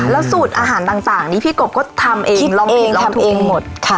แล้วสูตรอาหารต่างต่างนี่พี่กบก็ทำเองลองผิดลองทูนค่ะ